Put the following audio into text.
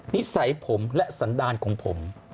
นิสัยผมและสันดาลของผม